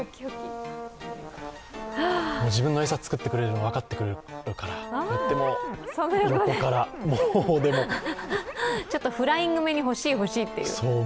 自分の餌を作ってくれているのが分かっているから、横からちょっとフライング目に欲しい、欲しいという。